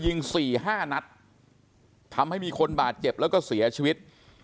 สี่ห้านัดทำให้มีคนบาดเจ็บแล้วก็เสียชีวิต